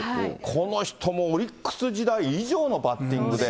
この人もオリックス時代以上のバッティングで。